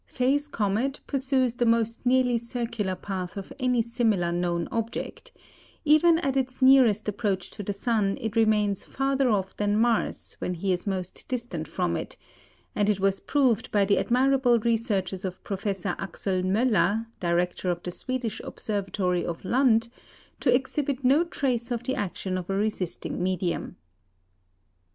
Faye's comet pursues the most nearly circular path of any similar known object; even at its nearest approach to the sun it remains farther off than Mars when he is most distant from it; and it was proved by the admirable researches of Professor Axel Möller, director of the Swedish observatory of Lund, to exhibit no trace of the action of a resisting medium.